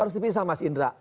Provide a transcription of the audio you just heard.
harus dipisah mas indra